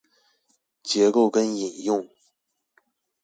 結構跟引用